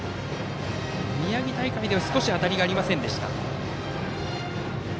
宮城大会では少し当たりがありませんでした。